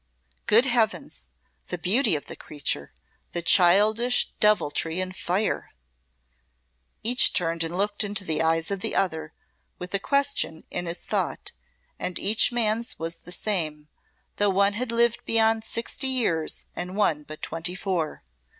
Good Heavens! the beauty of the creature the childish deviltry and fire!" Each turned and looked into the eyes of the other with a question in his thought, and each man's was the same, though one had lived beyond sixty years and one but twenty four.